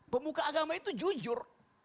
pemuka agama itu jujur